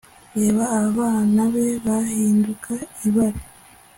Reba abana be bahinduka ibara